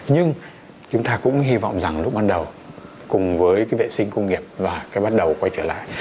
nhưng chúng ta cũng hy vọng rằng lúc ban đầu cùng với cái vệ sinh công nghiệp và cái bắt đầu quay trở lại